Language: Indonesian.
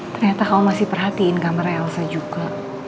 ternyata kamu masih perhatiin kamarnya elsa juga